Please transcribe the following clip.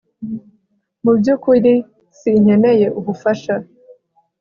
Mu byukuri sinkeneye ubufasha